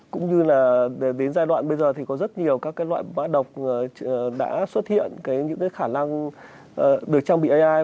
cũng như là đến giai đoạn bây giờ thì có rất nhiều các loại mã độc đã xuất hiện những khả năng được trang bị ai